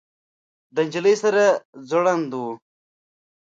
د نجلۍ سر ځوړند و.